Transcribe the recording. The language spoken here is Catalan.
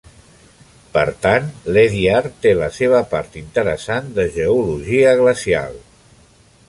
Per tant, Ledyard té la seva part interessant de geologia glacial.